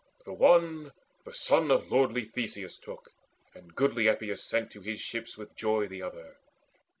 The one the son of lordly Theseus took, And goodly Epeius sent to his ship with joy The other.